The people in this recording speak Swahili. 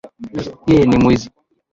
Yeye ni mwizi.